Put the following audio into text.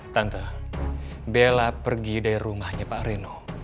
tante bella pergi dari rumahnya pak reno